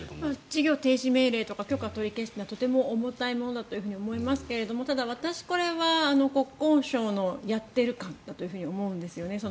事業停止命令とか許可取り消しというのはとても重たいものだと思いますがただ私これは国交省のやっている感だと思うんです。